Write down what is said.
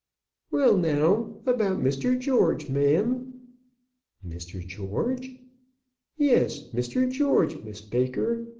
"Well, now; about Mr. George, ma'am." "Mr. George!" "Yes, Mr. George, Miss Baker.